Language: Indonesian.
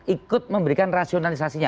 ikut memberikan rasionalisasinya